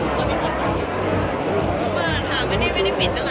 เปิดครับวันนี้ไม่ได้ปิ๊ดด้วยแล้วค่ะ